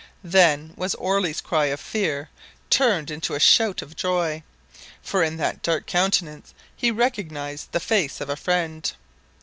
Then was Orley's cry of fear turned into a shout of joy, for in that dark countenance he recognised the face of a friend.